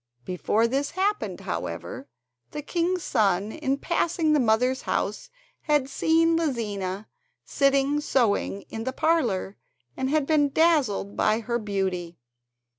Before this happened, however, the king's son in passing the mother's house had seen Lizina sitting sewing in the parlour, and had been dazzled by her beauty.